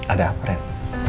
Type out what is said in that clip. ada apa ren